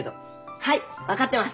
はい分かってます。